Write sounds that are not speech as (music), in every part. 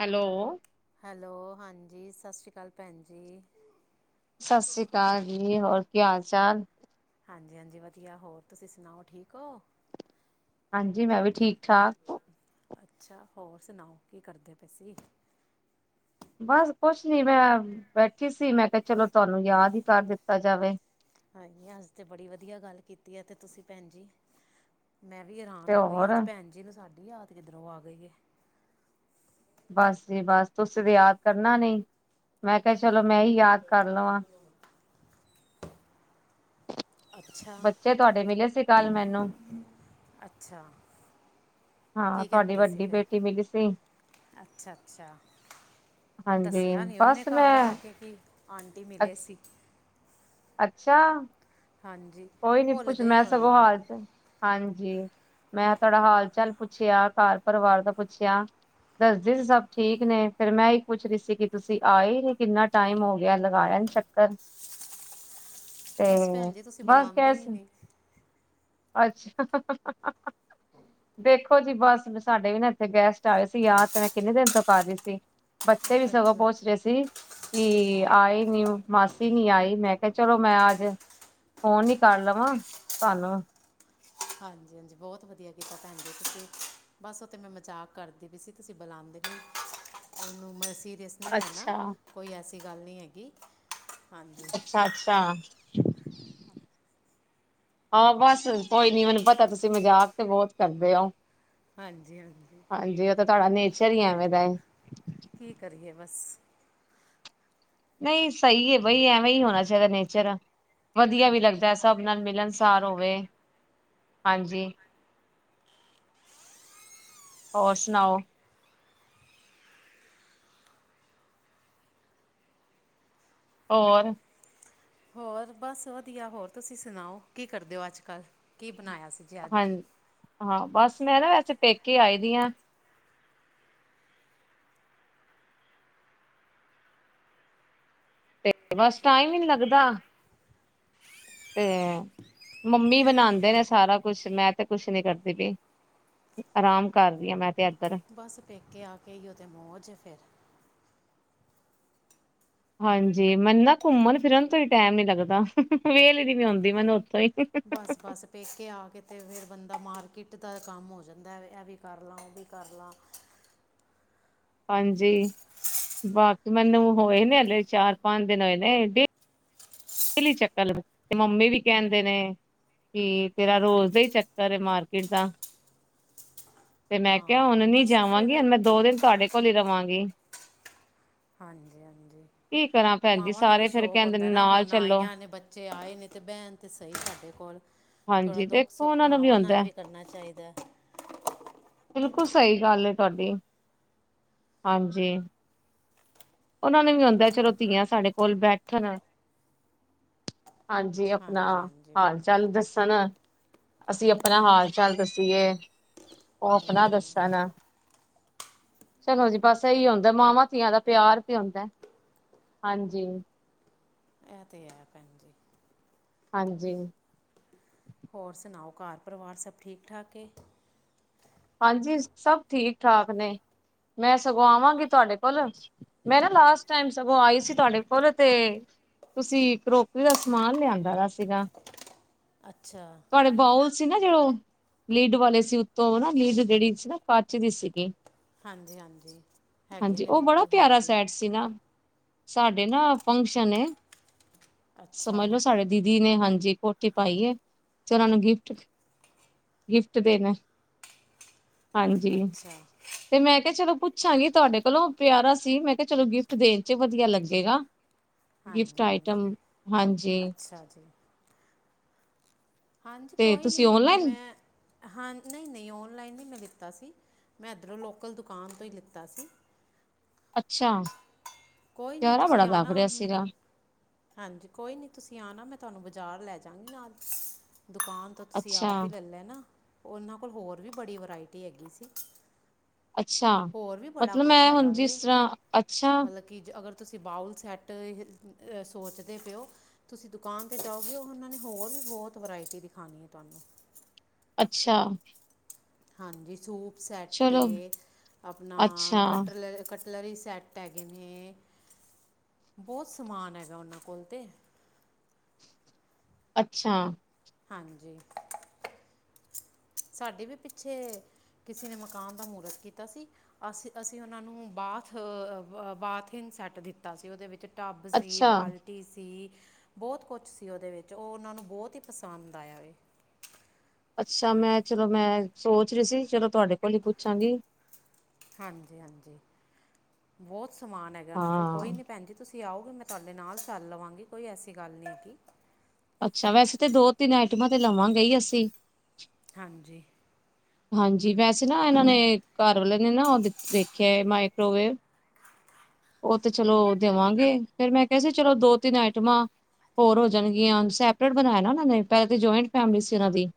Hello hello ਹਾਂਜੀ ਸਤਿ ਸ਼੍ਰੀ ਅਕਾਲ, ਭੈਣ ਜੀ। ਸਤਿ ਸ੍ਰੀ ਅਕਾਲ ਜੀ ਹੋਰ ਕੀ ਹਾਲ ਚਾਲ ਹਾਂਜੀ ਹਾਂਜੀ ਵਧੀਆ ਹੋਰ ਤੁਸੀਂ ਸੁਣਾਓ ਠੀਕ ਹੋ। ਹਾਂਜੀ ਮੈਂ ਵੀ ਠੀਕ-ਠਾਕ। ਅੱਛਾ ਹੋਰ ਸੁਣਾਓ ਕੀ ਕਰਦੇ ਪਏ ਸੀ। ਬਸ ਕੁਛ ਨੀ ਮੈਂ ਬੈਠੀ ਸੀ, ਮੈਂ ਕਿਹਾ ਚਲੋ ਤੁਹਾਨੂੰ ਯਾਦ ਹੀ ਕਰ ਦਿੱਤਾ ਜਾਵੇ। ਹਾਂ ਅੱਜ ਤੇ ਬੜੀ ਵਧੀਆ ਗੱਲ ਕੀਤੀ ਆ ਤੇ ਤੁਸੀਂ ਭੈਣ ਜੀ ਮੈਂ ਵੀ ਹੈਰਾਨ ਤੇ ਹੋ ਗਈ, ਹੋਰ ਅੱਜ ਭੈਣ ਜੀ ਨੂੰ ਸਾਡੀ ਯਾਦ ਕਿਧਰੋਂ ਆ ਗਈ ਏ। ਬਸ ਜੀ ਬਸ, ਤੁਸੀਂ ਤੇ ਯਾਦ ਕਰਨਾ ਨਹੀਂ। ਮੈਂ ਕਿਹਾ, ਚਲੋ ਮੈਂ ਹੀ ਯਾਦ ਕਰ ਲਵਾਂ। ਅੱਛਾ ਬੱਚੇ ਤੁਹਾਡੇ ਮਿਲੇ ਸੀ ਕੱਲ ਮੈਨੂੰ ਅੱਛਾ ਹਾਂ ਕੀ ਤੁਹਾਡੀ ਕਹਿੰਦੇ ਸੀ ਵੱਡੀ ਫਿਰ ਬੇਟੀ ਮਿਲੀ ਸੀ ਅੱਛਾ ਅੱਛਾ ਹਾਂਜੀ ਦੱਸਿਆ ਨਹੀਂ ਉਹਨੇ ਬਸ ਮੈਂ ਘਰ ਆ ਕੇ ਕੀ ਆਂਟੀ ਅ ਮਿਲੇ ਸੀ ਅੱਛਾ ਹਾਂਜੀ ਕੋਈ ਨੀ ਭੁੱਲ ਪੁੱਛ ਗਈ ਮੈਂ ਹੋਣੀ ਸਗੋਂ ਹੈ ਹਾਲ ਹਾਂਜੀ ਮੈਂ ਤੁਹਾਡਾ ਹਾਲ ਚਾਲ ਪੁੱਛਿਆ ਘਰ ਪਰਿਵਾਰ ਦਾ ਪੁੱਛਿਆ ਦੱਸਦੇ ਸੀ ਸਭ ਠੀਕ ਨੇ ਫੇਰ ਮੈਂ ਹੀ ਪੁੱਛ ਰਹੀ ਸੀ ਕਿ ਤੁਸੀਂ ਆਏ ਨਹੀਂ ਕਿੰਨਾ ਟਾਈਮ ਹੋ ਗਿਆ ਲਗਾਇਆ ਚੱਕਰ ਤੇ ਬਸ ਭੈਣ ਜੀ ਤੁਸੀਂ ਬਸ ਬੁਲਾਂਦੇ ਗਏ ਹੀ ਸੀ ਨਹੀਂ ਅੱਛਾ ਦੇਖੋ ਜੀ ਬਸ ਮ ਸਾਡੇ ਵੀ ਨਾ ਇੱਥੇ ਗੈਸਟ ਆਏ ਸੀ ਯਾਦ ਤੇ ਮੈਂ ਕਿੰਨੇ ਦਿਨ ਤੋਂ ਕਰ ਰਹੀ ਸੀ ਬੱਚੇ ਵੀ ਸਗੋਂ ਅੱਛਾ ਪੁਛ ਅੱਛਾ ਰਹੇ ਸੀ ਕਿ ਆਏ ਨੀ ਮਾਸੀ ਨ ਆਈ ਮੈਂ ਕਿਹਾ ਚਲੋ ਮੈਂ ਅੱਜ ਫੋਨ ਹੀ ਕਰ ਲਵਾਂ ਤੁਹਾਨੂੰ ਹਾਂਜੀ ਹਾਂਜੀ ਬਹੁਤ ਵਧੀਆ ਕੀਤਾ ਭੈਣ ਜੀ ਤੁਸੀਂ ਬਸ ਉਹ ਤੇ ਮੈਂ ਮਜ਼ਾਕ ਕਰਦੀ ਪਈ ਸੀ ਤੁਸੀਂ ਬੁਲਾਉਂ (inaudible) ਉਹਨੂੰ ਮੈਂ ਸੀਰੀਅਸ ਨਾ ਲੈਣਾ ਅੱਛਾ ਕੋਈ ਐਸੀ ਗੱਲ ਨਹੀਂ ਹੈਗੀ ਹਾਂਜੀ ਅੱਛਾ, ਅੱਛਾ ਹਾਂ ਬਸ ਕੋਈ ਨੀ ਮੈਨੂੰ ਪਤਾ ਤੁਸੀਂ ਮਜ਼ਾਕ ਤੇ ਬਹੁਤ ਕਰਦੇ ਹੋ ਹਾਂਜੀ ਉਹ ਤਾਂ ਤੁਹਾਡਾ ਨੇਚਰ ਹੀ ਐਵੇਂ ਦਾ ਏ ਕੀ ਕਰੀਏ ਬਸ ਨਹੀਂ ਸਹੀ ਏ ਬਈ ਐਵੇਂ ਹੀ ਹੋਣਾ ਚਾਹੀਦਾ ਨੇਚਰ ਵਧੀਆ ਵੀ ਲੱਗਦਾ ਸਭ ਨਾਲ ਮਿਲਣਸਾਰ ਹੋਵੇ ਹਾਂਜੀ ਹੋਰ ਸੁਣਾਓ? ਹੋਰ ਹੋਰ ਬਸ ਵਧੀਆ ਹੋਰ ਤੁਸੀਂ ਸੁਣਾਓ ਕੀ ਕਰਦੇ ਹੋ ਅੱਜ ਕੱਲ ਕੀ ਬਣਾਇਆ ਸੀ ਜੀ ਅੱਜ ਹਾਂ ਹਾਂ ਬਸ ਮੈਂ ਨਾ ਵੈਸੇ ਪੇਕੇ ਆਈ ਦੀ ਹ ਤੇ ਬਸ ਟਾਈਮ ਹੀ ਨਹੀਂ ਲੱਗਦਾ ਤੇ ਮੰਮੀ ਬਣਾਉਂਦੇ ਨੇ ਸਾਰਾ ਕੁਛ ਮੈਂ ਤੇ ਕੁਛ ਨੀ ਕਰਦੀ ਪਈ ਆਰਾਮ ਕਰਦੀ ਆਾਂ ਮੈਂ ਤੇ ਅੱਜ ਬਸ ਪੇਕੇ ਆ ਕੇ ਹੀ ਇਹੋ ਜਿਹੀ ਮੌਜ ਫਿਰ ਹਾਂਜੀ ਮੈਨੂੰ ਨਾ ਘੁੰਮਣ ਫਿਰਨ ਤੋਂ ਹੀ ਟਾਈਮ ਨੀ ਲੱਗਦਾ ਵਹਲ ਨ ਵੀੀ ਆਉਂਦੀ ਮੈਨੂੰ ਹੀ ਬਸ ਬਸ ਪੇਕੇ ਆ ਕੇ ਤੇ ਫੇਿਰ ਬੰਦਾ ਮਾਰਕੀਟ ਜਿੱਦਾਂ ਦਾ ਕੰਮ ਹੋ ਜਾਂਦਾ ਇਹ ਵੀ ਕਰ ਲਾਂ ਉਹ ਵੀ ਕਰ ਲਾਂ ਹਾਂਜੀ ਬਾਕੀ ਮੈਨੂੰ ਹੋਏ ਨੇ ਹਲੇ ਚਾਰ ਪਾਉਦੇ ਨੇ ਹੋਏ ਨੇ ਡਲੀ ਚੱਕਰ ਲਗ ਮੰਮੀ ਵੀ ਕਹਿੰਦੇ ਨੇ ਤੇ ਤੇਰਾ ਰੋਜ਼ ਦਾ ਹੀ ਚੱਕਰ ਮਾਰਕੀਟ ਦਾ ਤੇ ਮੈਂ ਕਿਹਾ ਹਾਂ ਹੁਣ ਨੀ ਬਸ ਜਾਵਾਂਗੀ ਹੁ ਫਿਰ ਮੈਂ ਦੋ ਦਿਨ ਤੁਹਾਡੇ ਕੋਲ ਹੀ ਰਵਾਂਗੀ ਹਾਂਜੀ ਹਾਂਜੀ ਕੀ ਕਰਾਂ ਭੈਣ ਜੀ ਮਾਵਾਂ ਨੂੰ ਵੀ ਸਾਰੇ ਫੇਰ ਸ਼ੌਕ ਕਹਿੰਦੇ ਨੇ ਹੁੰਦਾ ਨਾ ਨਾਲ ਹੁਣ ਚਲੋ ਆਈਆਂ ਨੇ ਬੱਚੇ ਆਏ ਨੇ ਤੇ ਬੈਣ ਤੇ ਸਹੀ ਸਾਡੇ ਕੋਲ ਥੋੜਾ ਹਾਂਜੀ ਦੁੱਖ ਦੇਖੋ ਸੁੱਖ ਉਹਨਾਂ ਨੂੰ ਮਾਵਾਂ ਨਾਲ ਹੁੰਦਾ ਵੀ ਕਰਨਾ ਚਾਹੀਦਾ ਬਿਲਕੁਲ ਸਹੀ ਗੱਲ ਤੁਹਾਡੀ ਹਾਂਜੀ ਉਹਨਾ ਨੂੰ ਵੀ ਆਉਂਦਾ ਚਲੋ ਧੀਆਂ ਸਾਡੇ ਕੋਲ ਬੈਠਣ ਹਾਂਜੀ ਜੀ ਆਪਣਾ ਹਾਂਜੀ ਹਾਂਜੀ ਹਾਲ ਚਾਲ ਦੱਸਣ ਅਸੀਂ ਆਪਣਾ ਹਾਲ ਚਾਲ ਦੱਸੀਏ ਉਹ ਆਪਣਾ ਦੱਸਣ ਚਲੋ ਜੀ ਬਸ ਇਹੀ ਹੁੰਦਾ ਮਾਵਾਂ ਧੀਆਂ ਦਾ ਪਿਆਰ ਆਉਂਦਾ ਹਾਂਜੀ ਇਹ ਤਾਂ ਹੈ ਭੈਣ ਜੀ ਹਾਂਜੀ ਹੋਰ ਸੁਣਾਓ ਘਰ ਪਰਿਵਾਰ ਸਭ ਠੀਕ ਠਾਕ ਹੈ ਹਾਂਜੀ ਸਭ ਠੀਕ ਠਾਕ ਨੇ ਮੈਂ ਸਗੋਂ ਆਵਾਂਗੀ ਤੁਹਾਡੇ ਕੋਲ ਮੈਂ ਨਾ ਲਾਸਟ ਟਾਈਮ ਸਗੋਂ ਆਈ ਸੀ ਤੁਹਾਡੇ ਕੋਲ ਤੇ ਤੁਸੀਂ ਕਰੋਕਰੀ ਦਾ ਸਮਾਨ ਲਿਆਂਦਾ ਵਾ ਸੀਗਾ ਅੱਛਾ ਤੁਹਾਡੇ ਬਾਉਲ ਸੀ ਨਾ ਜੋ ਉਹ ਲਿਡ ਵਾਲੇ ਸੀ ਉੱਤੋਂ ਨਾ ਲਿਡ ਜਿਹੜੀ ਸੀ ਨਾ ਕੱਚ ਦੀ ਸੀਗੀ ਹਾਂਜੀ ਹਾਂਜੀ ਹੈਗੇ ਹਾਂਜੀ ਨੇ ਉਹ ਮੇਰੇ ਬੜਾ ਕੋਲ ਪਿਆਰਾ ਹਾਂਜੀ ਸੈਟ ਸੀ ਨਾ ਸਾਡੇ ਨਾ ਫੰਕਸ਼ਨ ਏ ਅੱਛਾ ਸਮਝ ਲੋੋ ਸਾਡੇ ਦੀਦੀ ਨੇ ਹਾਂਜੀ ਜੀ ਕੋਠੀ ਪਾਈ ਹੈ ਚ ਉਹ ਨੂੰ ਗਿਫਟ ਗਿਫਟ ਦੇਣਾ। ਹਾਂਜੀ ਅੱਛਾ ਤੇ ਮੈਂ ਕਿਹਾ ਚਲੋ ਪੁ ਪੁੱਛਾਂਗੀ ਤੁਹਾਡੇ ਕੋਲੋਂ ਪਿਆਰਾ ਸੀ ਮੈਂ ਕਿਹਾ ਚਲੋ ਗਿਫਟ ਦੇਣ ਚ ਵਧੀਆ ਲੱਗੇਗਾ। ਗਿਫਟ ਹਾਂਜੀ ਹਾਂਜੀ ਆਈਟਮ ਹਾਂਜੀ ਅੱਛਾ ਜੀ ਹਾਂਜੀ ਤੇ ਕੋਈ ਤੁਸੀਂ ਨਹੀਂ ਓਨਲਾਈਨ ਮੈਂ ਹਾਂ ਨਹੀਂ ਨਹੀਂ ਔਨਲਾਈਨ ਨਹੀਂ ਮੈਂ ਦਿੱਤਾ ਤਾ ਸੀ ਮੈਂ ਇੱਧਰੋਂ ਲੋਕਲ ਦੁਕਾਨ ਤੋਂ ਹੀ ਲਿੱਤਾ ਸੀ। ਅੱਛਾ ਕੋਈ ਨਹੀਂ ਪਿਆਰਾ ਬੜਾ ਤੁਸੀਂ ਲੱਗ ਆਣਾ ਰਿਹਾ ਹਮ, ਸਿਗਾ। ਕੋਈ ਨੀ ਤੁਸੀਂ ਆਣਾ ਮੈਂ ਤੁਹਾਨੂੰ ਬਾਜ਼ਾਰ ਲੈ ਜਾਂਗੀ ਨਾਲ ਦੁਕਾਨ ਤੋਂ ਤੁਸੀਂ ਅੱਛਾ ਆਪ ਹੀ ਲੈ ਲੈਨਾ ਨਾ ਉਹਨਾਂ ਕੋਲ ਹੋਰ ਵੀ ਬੜੀ ਵਰਾਇਟੀ ਹੈਗੀ ਸੀ। ਅੱਛਾ ਹੋਰ ਵੀ ਬੜਾ ਮਤਲਬ ਕੁਛ ਮੈਂ ਹੈਗਾ ਹੁਣ ਵੇ ਜਿਸ ਤਰ੍ਹਾਂ ਅੱਛਾ ਮਤਲਬ ਕਿ ਅਗਰ ਤੁਸੀਂ ਬਾਊਲ ਸੈਟ ਟਰੇ ਸੋਚਦੇ ਪਏਓ ਤੁਸੀਂ ਦੁਕਾਨ 'ਤੇ ਜਾਓਗੇ ਹੋ ਉਹਨਾਂ ਨੇ ਹੋਰ ਵੀ ਬਹੁਤ ਵਰਾਇਟੀ ਦਿਖਾਉਣੀ ਹੈ ਤੁਹਾਨੂੰ ਅੱਛਾ ਹਾਂਜੀ ਸੂਪ ਸੈਟ ਚਲੋ ਏ ਆਪਣਾ ਅੱਛਾ ਕੱਟਰਲੇ ਕੱ ਕੱਟਰਲੀ ਸੈਟ ਹੈਗੇ ਨੇ ਬਹੁਤ ਸਮਾਨ ਹੈਗਾ ਉਹਨਾਂ ਕੋਲ ਤੇ ਅੱਛਾ ਹਾਂਜੀ ਕੀ ਸਾਡੇ ਵੀ ਪਿੱਛੇ ਕਿਸੇ ਨੇ ਮਕਾਨ ਦਾ ਮਹੂਰਤ ਕੀਤਾ ਸੀ ਅਸੀਂ ਅਸੀਂ ਉਹਨਾਂ ਨੂੰ ਬਾਥ ਬਾਥਿੰ ਸੈੱਟ ਦਿੱਤਾ ਸੀ ਉਹਦੇ ਵਿੱਚ ਟੱਬ ਸੀ ਅੱਛਾ ਬਾਲਟੀ ਸੀ ਬਹੁਤ ਕੁਛ ਸੀ ਉਹਦੇ ਵਿੱਚ ਉਹ ਉਹਨਾਂ ਨੂੰ ਬਹੁਤ ਹੀ ਪਸੰਦ ਆਇਆ ਏ। ਅੱਛਾ ਮੈਂ ਚਲੋ ਮੈਂ ਸੋਚ ਰਹੀ ਸੀ ਚਲੋ ਤੁਹਾਡੇ ਕੋਲ ਹੀ ਪੁੱਛਾਂਗੀ। ਹਾਂਜੀ ਹਾਂਜੀ ਬਹੁਤ ਸਮਾਨ ਹੈਗਾ ਉਹਨਾਂ ਕੋਲ ਕੋਈ ਹਾਂ ਨੀ ਭੈਣ ਜੀ ਤੁਸੀਂ ਤੁਸੀਂ ਆਓਗੇ ਮੈਂ ਤੁਹਾਡੇ ਨਾਲ ਚੱਲ ਲਵਾਂਗੀ ਕੋਈ ਐਸੀ ਗੱਲ ਨਹੀਂ ਹੈਗੀ। ਅੱਛਾ ਵੈਸੇ ਤਾਂ ਦੋ ਤਿੰਨ ਆਈਟਮਾਂ ਤੇ ਲਵਾਂਗੇ ਹੀ ਅਸੀਂ ਹਾਂਜੀ ਹਾਂਜੀ ਵੈਸੇ ਨਾ ਇਹਨਾਂ ਨੇ ਘਰ ਵਾਲੇ ਨੇ ਨਾ ਉਹ ਦੇਖਿਆ ਮਾਈਕਰੋਵੇਵ ਉਹ ਤੇ ਚਲੋ ਦੇਵਾਂਗੇ ਫਿਰ ਮੈਂ ਕਿਹਾ ਸੀ ਚਲੋ ਦੋ ਤਿੰਨ ਆਈਟਮਾਂ ਹੋਰ ਹੋ ਜਾਣਗੀਆਂ ਸੈਪਰੇਟ ਬਣਾਇਆ ਨਾ ਉਹ ਨੇ ਪਹਿਲਾਂ ਤਾਂ ਜੁਆਇੰਟ ਫੈਮਲੀ ਸੀ ਉਹਨਾਂ ਦੀ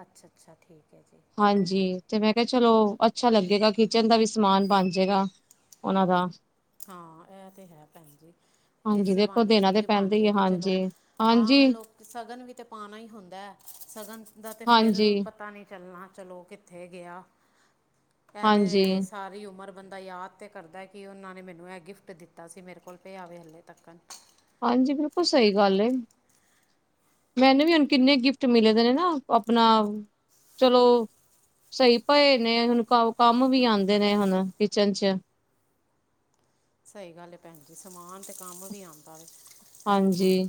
ਅੱਛਾ ਅੱਛਾ ਠੀਕ ਹੈ ਜੀ ਹਾਂਜੀ ਤੇ ਮੈਂ ਕਿਹਾ ਚਲੋ ਅੱਛਾ ਲੱਗੇਗਾ ਕਿਚਨ ਦਾ ਵੀ ਸਮਾਨ ਬਣ ਜਾਏਗਾ ਉਹਨਾਂ ਦਾ ਹਾਂ ਇਹ ਤੇ ਹੈ ਭੈਣ ਜੀ ਹਾਂਜੀ ਇਸੇ ਦੇਖੋ ਬਹਾਨੇ ਦੇਣਾ ਤੇ ਚੀਜ਼ ਬਣ ਪੈਂਦਾ ਹੀ ਹੈ ਜਾਏਗੀ ਚਲੋ ਹਾਂਜੀ ਹਾਂਜੀ ਹਾਂ ਲੋਕ ਸ਼ਗਨ ਵੀ ਤਾਂ ਪਾਉਣਾ ਹੀ ਹੁੰਦਾ ਹੈ ਸ਼ਗਨ ਦਾ ਤਾਂ ਫਿਰ ਹਾਂਜੀ ਪਤਾ ਨਹੀਂ ਚੱਲਣਾ ਚਲੋ ਕਿੱਥੇ ਗਿਆ। ਇਹ ਹਾਂਜੀ ਤੇ ਸਾਰੀ ਉਮਰ ਬੰਦਾ ਯਾਦ ਤੇ ਕਰਦਾ ਕਿ ਉਹਨਾਂ ਨੇ ਮੈਨੂੰ ਮੈਨੂੰ ਇਹ ਗਿਫਟ ਦਿੱਤਾ ਸੀ ਮੇਰੇ ਕੋਲ ਪਿਆਵੇ ਹਲੇ ਤੱਕਣ ਹਾਂਜੀ ਬਿਲਕੁਲ ਸਹੀ ਗੱਲ ਏ। ਮੈਨੂੰ ਵੀ ਹੁਣ ਕਿੰਨੇ ਗਿਫਟ ਮਿਲੇ ਦੇ ਨੇ ਨਾ ਆਪਣਾ ਚਲੋ। ਸਹੀ ਪਏ ਨੇ ਹੁਣ ਕੰਮ ਵੀ ਆਉਂਦੇ ਨੇ ਹੁਣ ਕਿਚਨ ਚ (inaudible) ਸਹੀ ਗੱਲ ਭੈਣ ਜ ਸਮਾਨ ਤੇ ਕੰਮ ਵੀ ਆਉਂਦਾ ਵ ਹਾਂਜੀ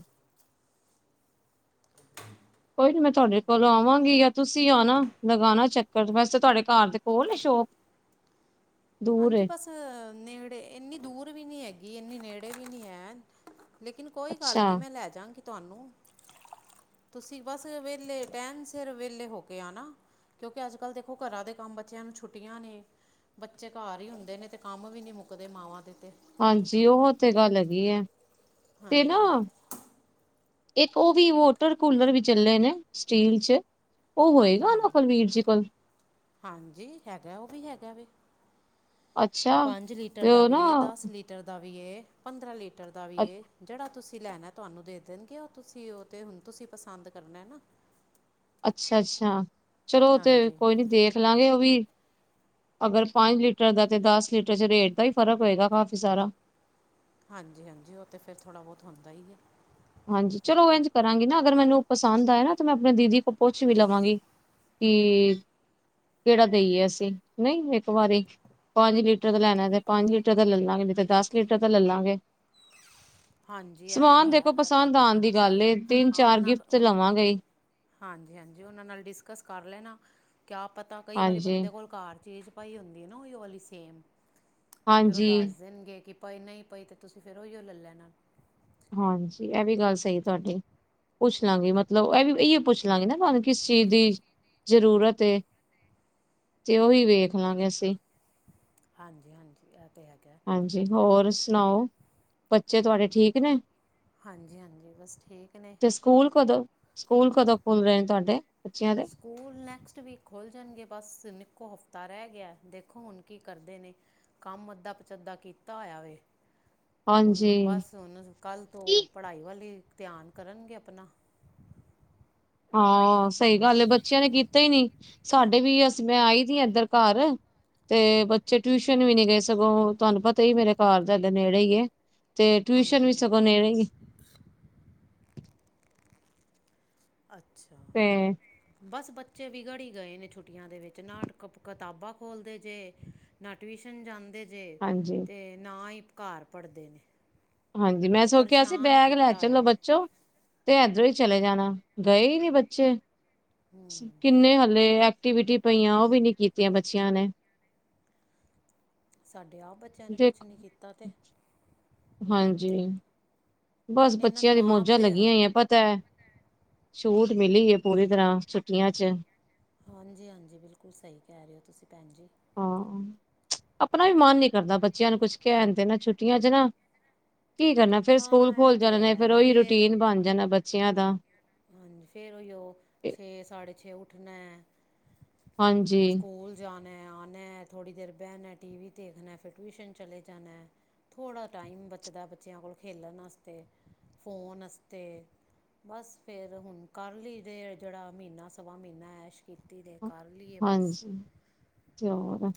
ਕੋਈ ਨੀ ਮੈਂ ਤੁਹਾਡੇ ਕੋਲ ਆਵਾਂਗੀ ਜਾਂ ਤੁਸੀਂ ਆਣਾ ਲਗਾਉਣਾ ਚੱਕਰ ਵੈਸੇ ਤੁਹਾਡੇ ਘਰ ਦੇ ਕੋਲ ਨੇ ਸ਼ੋਪ (inaudible) ਦੂਰ ਹਾਂਜੀ ਏ ਬਸ ਨੇੜੇ ਇੰਨੀ ਦੂਰ ਵੀ ਨਹੀਂੀ ਹੈਗੀ ਇੰਨੀ ਨੇੜੇ ਵੀ ਨਹੀਂੀ ਹੈ ਲੇਕਿਨ ਕੋਈ ਅੱਛਾ ਗੱਲ ਨਹੀਂ ਮੈਂ ਲੈ ਜਾਵਾਂਗੀ ਤੁਹਾਨੂੰ ਤੁਸੀਂ ਬਸ ਵੇਹਲੇ ਟਹਿਣ ਸਿਰ ਵਿਹਲੇ ਹੋ ਕੇ ਆ ਨਾ ਕਿਉਂਕਿ ਅੱਜ ਕੱਲ੍ਹ ਦੇਖੋ ਘਰਾਂ ਦੇ ਕੰਮ ਬੱਚਿਆਂ ਨੂੰ ਛੁੱਟੀਆਂ ਨੇ ਵਿਚਕਾਰ ਹੀ ਹੁੰਦੇ ਨੇ ਤੇ ਕੰਮ ਵੀ ਨੀ ਮੁੱਕਦੇ ਮਾਵਾਂ ਦੇ ਤੇ ਹਾਂਜੀ ਉਹ ਤੇੇ ਗੱਲ ਹੈਗੀ ਹੈ ਤੇ ਨਾ ਹਾਂਜੀ ਇੱਕ ਉਹ ਵੀ ਵੋਟਰ ਕੂਲਰ ਵੀ ਚੱਲੇ ਨੇ ਸਟੀਲ ਚ ਉਹ ਹਾਂਜੀ ਹੋਏਗਾ ਨਾ ਹਾਂਜੀ ਕੁਲਵੀਰ ਜੀ ਕੋਲ ਹਾਂਜੀ ਹੈਗਾ ਉਹ ਵੀ ਹੈਗਾ ਵ ਅੱਛਾ ਪੰਜ ਲੀਟਰ ਤੇ ਦਾ ਉਹ ਨਾ ਵੀ ਏ ਦਸ ਲੀਟਰ ਦਾ ਵੀ ਪੰਦਰਾਂ ਲੀਟਰ ਦਾ ਵੀ ਅ ਏ ਜਿਹੜਾ ਤੁਸੀਂ ਤੁਸੀਂ ਲੈਣਾ ਤੁਹਾਨੂੰ ਦੇ ਦੇਣਗੇ ਉਹ ਤੁਸੀਂ ਉਹ ਤੇ ਹੁਣ ਤੁਸੀਂ ਪਸੰਦ ਕਰਨਾ ਨਾ ਅੱਛਾ ਅੱਛਾ ਚਲੋ ਤੇ ਹਾਂਜੀ ਕੋਈ ਨੀ ਦੇਖ ਲਾਂਗੇ ਉਹ ਵੀ ਅਗਰ ਪੰਜ ਲੀਟਰ ਦਾ ਅਤੇ ਦਸ ਲੀਟਰ ' ਰੇਟ ਦਾ ਹੀ ਫ਼ਰਕ ਹੋਏਗਾ ਕਾਫ਼ੀ ਸਾਰਾ ਹਾਂਜੀ ਹਾਂਜੀ ਉਹ ਤੇ ਫੇਿਰ ਥੋੜ੍ਹਾ ਬਹੁਤ ਹੁੰਦਾ ਹੀ ਹੈ ਹਾਂਜੀ ਚਲੋ ਇੰਝ ਕਰਾਂਗੀ ਨਾ ਅਗਰ ਮੈਨੂੰ ਪਸੰਦ ਆਏ ਨਾ ਤਾਂ ਮੈਂ ਆਪਣੇ ਦੀਦੀ ਕੋਲ ਪੁੱਛ ਵੀ ਲਵਾਂਗੀ ਕਿ ਕਿਹੜਾ ਦੇਈਏ ਅਸੀਂ ਨਹੀਂ ਇੱਕ ਵਾਰੀ ਪੰਜ ਲੀਟਰ ਦਾ ਲੈਣਾ ਤੇ ਪੰਜ ਲੀਟਰ ਦਾ ਲੈ ਲਾਂਗੇ ਨਹੀਂ ਤੇ ਦਸ ਲੀਟਰ ਦਾ ਲੈਲਾਂਗੇ ਹਾਂਜੀ ਇਹ ਤੇ ਹੈ ਇਹ ਪਸੰਦ ਤੁਹਾਡੀ ਆਉਣ ਦੀ ਮਰਜ਼ੀ ਗੱਲ ਹੈ ਏ ਤਿੰਨ ਹਾਂ ਚਾਰ ਗਿਫਟ ਉਹਨਾਂ ਲਵਾਂਗੇਈ ਹਾਂਜੀ ਹਾਂਜੀ ਉਹਨਾਂ ਨਾਲ ਡਿਸਕਸ ਕਰ ਲੈਣਾ ਕਿਆ ਪਤਾ ਕਈ ਵਾਰੀ ਹਾਂਜੀ ਬੰਦੇ ਕੋਲ ਘਰ ਚੀਜ਼ ਭਾਈ ਹੁੰਦੀ ਆ ਨਾ ਉਹ ਵਾਲਲੀ ਸੇਮ ਫੇਰ ਉਹ ਹਾਂਜੀ ਦੱਸ ਦੇਣਗੇ ਕਿ ਪਏ ਨਹੀਂ ਪਈ ਅਤੇ ਤੁਸੀਂ ਫਿਰ ਉਹੀਓ ਲੈ ਲੈਣਾ ਹਾਂਜੀ। ਇਹ ਵੀ ਗੱਲ ਸਹੀਏ ਤੁਹਾਡੀ। ਪੁੱਛ ਲਾਂਗੇ ਮਤਲਬ ਇਹ ਵੀ ਇਓ ਪੁੱਛ ਲਾਂਗੇ ਨਾ ਤੁਹਾਨੂੰ ਕਿਸ ਚੀਜ਼ ਦੀ ਜ਼ਰੂਰਤ ਏ। ਤੇ ਉਹੀ ਵੇਖ ਲਾਂਗੇ ਅਸੀਂ। ਹਾਂਜੀ ਹਾਂਜੀ ਅ ਹਾਂਜੀ। ਹੋਰ ਸੁਣਾਓ ਬੱਚੇ ਤੁਹਾਡੇ ਠੀਕ ਨੇ। ਹਾਂਜੀ ਹਾਂਜੀ ਬਸ ਠੀਕ ਨੇ ਤੇ ਸਕੂਲ ਕਦੋਂ ਸਕੂਲ ਕਦੋਂ ਖੁੱਲ ਰਹੇ ਨੇ ਤੁਹਾਡੇ? ਬੱਚਿਆਂ ਦੇ ਸਕੂਲ ਨੈਕਸਟ ਵੀਕ ਖੁੱਲ ਜਾਣਗੇ ਬਸ। ਹਫ਼ਤਾ ਰਹਿ ਗਿਆ ਦੇਖੋ ਹੁਣ ਕੀ ਕਰਦੇ ਨੇ ਕੰਮ ਅੱਧਾ ਪਚਾਧ ਕੀਤਾ ਹੋਇਆ ਵੇ। ਹੁਣ ਹਾਂਜੀ ਬਸ ਹੁਣ ਕੱਲ ਤੋਂ ਪੜ੍ਹਾਈ ਵਾਲੀ ਧਿਆਨ ਕਰਨਗੇ ਆਪਣਾ ਹਾ ਸਹੀ ਗੱਲ ਏ ਬੱਚਿਆਂ ਨੇ ਕੀਤਾ ਹੀ ਨੀ ਸਾਡੇ ਵੀ ਅਸੀਂ ਮੈਂ ਆਈ ਸੀ ਇਏਧਰ ਘਰ ਤੇ ਬੱਚੇ ਟਿਊਸ਼ਨ ਵੀ ਨਹੀਂ ਗਏ ਸਗੋਂ ਤੁਹਾਨੂੰ ਪਤਾ ਹੀ ਮੇਰੇ ਘਰ ਦੇ ਇਡੇ ਨੇੜੇ ਹੀ ਹੈ। ਤੇ ਟਿਊਸ਼ਨ ਹਾਂਜੀ ਵੀ ਹਾਂਜੀ ਸਗੋਂ ਨੇੜੇ ਅੱਛਾ। ਤੇ ਬਸ (unintelligible) ਬੱਚੇ ਵਿਗੜੀ ਗਏ ਨੇ ਛੁੱਟੀਆਂ ਦੇ ਵਿੱਚ ਨਾ ਕ ਕਿਤਾਬਾਂ ਖੋਲਦੇ ਜੇ ਨਾ ਟਿਊਸ਼ਨ ਜਾਂਦੇ ਜੇ ਹਾਂਜੀ ਤੇ ਨਾ ਹੀ ਕਾਰ ਪੜਦੇ ਨੇ। ਹਾਂਜੀ। ਮੈਂ ਸੋਚਿਆ ਸੀ ਪਰੇਸ਼ਾਨ ਬੈਗ ਲੈ ਕੀਤਾ ਹੋਇਆ ਚਲੋ ਵੇ ਬੱਚੋ ਤੇ ਇੱਧਰੋਂ ਹੀ ਚਲੇ ਜਾਣਾ ਗਏ ਹੀ ਨੀ ਬੱਚੇ ਕਿੰਨੇ ਹਾਲੇ ਐਕਟੀਵਿਟੀ ਪਈਆਂ ਉਹ ਵੀ ਨੀ ਕੀਤੀਆਂ ਬੱਚਿਆਂ ਨੇ। ਸਾਡੇ ਆਪ ਬੱਚਿਆਂ ਨੇ ਕੁਛ ਨਹੀਂ ਦੇਖੋ ਕੀਤਾ ਤੇ। ਹਾਂਜੀ। ਬਸ ਇਹਨਾਂ ਬੱਚਿਆਂ ਦੀ ਨੂੰ ਆਪ ਮੌਜਾਂ ਤੇ ਲੱਗੀਆਂ ਹੀ ਆ ਪਤਾ ਹੈ। ਛੂਟ ਮਿਲੀ ਹੈ ਪੂਰੀ ਤਰ੍ਹਾਂ ਛੁੱਟੀਆਂ ਚ। ਹਾਂਜੀ-ਹਾਂਜੀ। ਬਿਲਕੁਲ ਸਹੀ ਕਹਿ ਰਹੇ ਹੋ ਤੁਸੀਂ ਭੈਣ ਜੀ। ਹਾਂ ਆਪਣਾ ਵੀ ਮਨ ਨੀ ਕਰਦਾ ਬੱਚਿਆਂ ਨੂੰ ਕੁਛ ਕਹਿਣ ਦੇ ਨਾ ਛੁੱਟੀਆਂ ਚ ਨਾ ਕੀ ਕਰਨਾ ਫੇਿਰ ਸਕੂਲ ਹਾਂ ਇਹ ਖੋਲ ਤਾਂ ਜਾਣੇ ਨੇ ਫੇਿਰ ਹੈ ਉਹੀ ਫਿਰ ਰੂਟੀਨ ਬਣ ਜਾਣਾ ਬੱਚਿਆਂ ਦਾ। ਹਾਂਜੀ। ਫੇਰ ਉਈਓ ਛੇ ਸਡੇ ਛੇ ਉੱਠਣਾ ਏ ਹਾਂਜੀ। ਣਾ ਆਉ ਥੜ੍ਹੀ ਦੇਰ ਬਹਿਣਣਾ ਟੀ ਵੀ ਦੇਖਣਾ ਫਿਰ ਟਿਊਸ਼ਨ ਚਲੇ ਜਾਣਾ ਏ ਥੋੜ੍ਹਾ ਟਾਈਮ ਬਚਦਾ ਬੱਚਿਆਂ ਕੋਲ ਖੇਲਣ ਵਾਸਤੇ ਫੋਨ ਅਸੀਂ ਤੇ ਬਸ ਫਿਰ ਹੁਣ ਕਰ ਲਈ ਦੇ ਜਿਹੜਾ ਮਹੀਨਾ ਸਵਾ ਮਹੀਨਾ ਐਸ਼ ਕੀਤੀ ਦੇ ਕਰ ਲਈਏ ਬਸ ਹਾਂਜੀ। ਹੋਰ?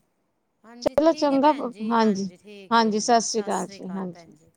ਹਾਂਜੀ। ਚਲੋ ਠੀਕ ਹੈ ਚੰਗਾ ਭੈਣ ਜੀ ਹਾਂਜੀ ਠੀਕ ਹੈ ਹਾਂਜੀ ਹੰਜੀ ਸਤਿ ਸ੍ਰੀ ਜੀ ਅਕਾਲ ਹਾਂਜੀ ਭੈਣ ਜੀ।